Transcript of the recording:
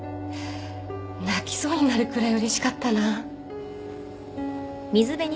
泣きそうになるくらいうれしかったな。